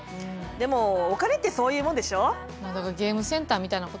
でもお金ってそういうもんでしょ？